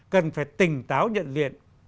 cần phải tỉnh táo nhận liện